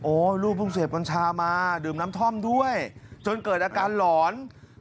ลูกเพิ่งเสพกัญชามาดื่มน้ำท่อมด้วยจนเกิดอาการหลอน